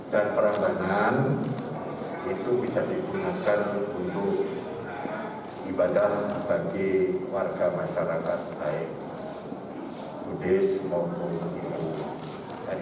dan perabdangan itu bisa digunakan untuk ibadah bagi warga masyarakat baik buddhis maupun hindu